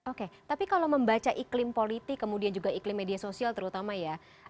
oke tapi kalau membaca iklim politik kemudian juga iklim media sosial terutama ya